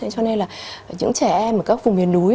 cho nên là những trẻ em ở các vùng miền núi